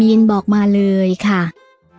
กลับข้างหลัง